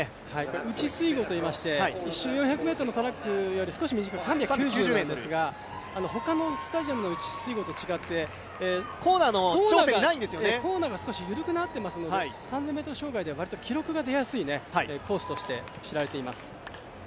内水濠といいまして、４００ｍのトラックより少し短い３９０ｍですが、他のスタジアムの内水濠と違ってコーナーが少し緩くなっていますので３０００ｍ障害では、わりと記録が出やすいコースとして知られています。